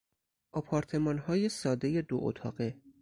آپارتمانهای سادهی دو اتاقه